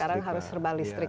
sekarang harusnya listrik